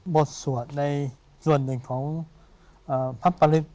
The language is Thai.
บทสวดในส่วนหนึ่งของพระปริศ